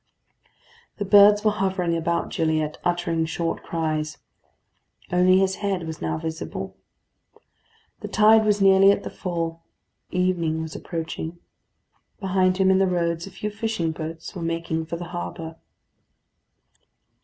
The birds were hovering about Gilliatt, uttering short cries. Only his head was now visible. The tide was nearly at the full. Evening was approaching. Behind him, in the roads, a few fishing boats were making for the harbour.